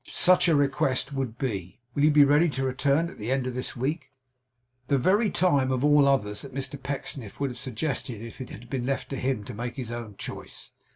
Such a request would be. Will you be ready to return at the end of this week?' The very time of all others that Mr Pecksniff would have suggested if it had been left to him to make his own choice.